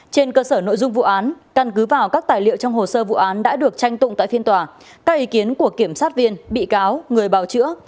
trên cơ sở nội dung vụ án căn cứ vào các tài liệu trong hồ sơ vụ án đã được tranh tụng tại phiên tòa các ý kiến của kiểm sát viên bị cáo người bào chữa